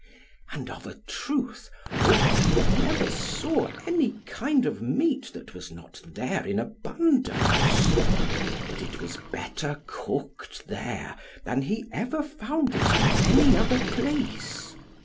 And of a truth, Owain never saw any kind of meat that was not there in abundance, but it was better cooked there, than he ever found it in any other place.